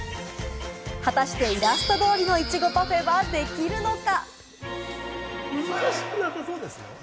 果たしてイラスト通りのいちごパフェはできるのか？